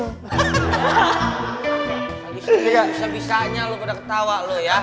tadi serius bisa bisanya lu pada ketawa lu ya